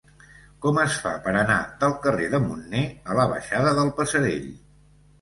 Com es fa per anar del carrer de Munner a la baixada del Passerell?